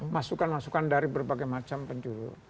masukan masukan dari berbagai macam penjuru